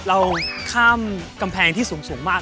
เราข้ามกำแพงที่สูงมาก